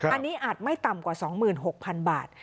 อันนี้อาจไม่ต่ำกว่า๒๖๐๐๐บาท